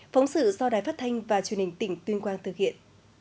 phóng sự do đài phát thanh và truyền hình tỉnh tuyên quang thực hiện